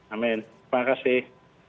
amin terima kasih